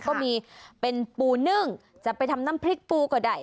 ก็มีเป็นปูนึ่งจะไปทำน้ำพริกปูก็ได้